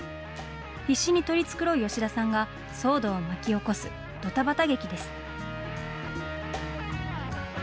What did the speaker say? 必死に取り繕う吉田さんが騒動を巻き起こすドタバタ劇です。